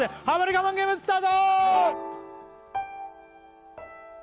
我慢ゲームスタート！